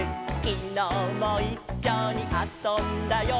「きのうもいっしょにあそんだよ」